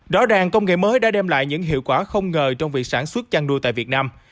rõ ràng công nghệ mới đã đem lại những hiệu quả không ngờ trong việc sản xuất chăn đua tại việt nam